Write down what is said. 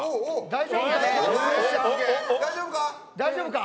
大丈夫か。